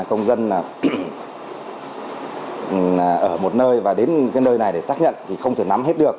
công dân ở một nơi và đến nơi này để xác nhận không thể nắm hết được